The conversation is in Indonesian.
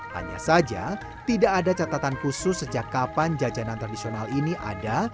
hanya saja tidak ada catatan khusus sejak kapan jajanan tradisional ini ada